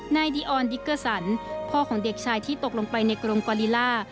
นายดีออนดิกเกอร์สันพ่อของเด็กชายที่ตกลงไปในกรมกอลิล่า